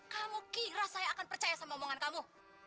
kamu kira saya akan percaya sama omongan kamu